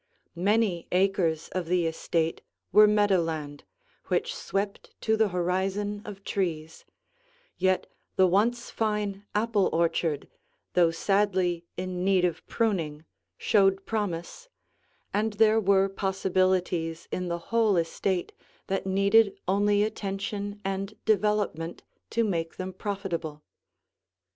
Many acres of the estate were meadow land which swept to the horizon of trees, yet the once fine apple orchard, though sadly in need of pruning, showed promise, and there were possibilities in the whole estate that needed only attention and development to make them profitable.